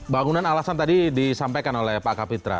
bangunan alasan tadi disampaikan oleh pak kapitra